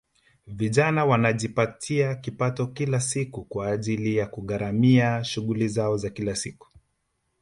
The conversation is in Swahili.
Vijana wanajipatia kipato kila siku kwa ajili ya kugharimia shughuli zao za kila siku